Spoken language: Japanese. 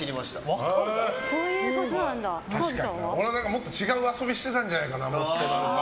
もっと違う遊びをしてたんじゃないかなって。